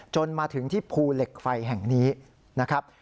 จนมาถึงที่ภูเหล็กไฟแห่งนี้นะครับ